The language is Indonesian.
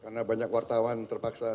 karena banyak wartawan terpaksa